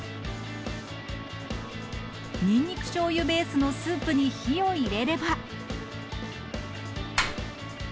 ニンニクしょうゆベースのスープに火を入れれば。